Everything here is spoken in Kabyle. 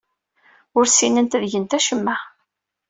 Ur ssinent ad gent acemma.